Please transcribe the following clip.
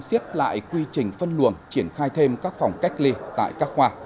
xiết lại quy trình phân luồng triển khai thêm các phòng cách ly tại các khoa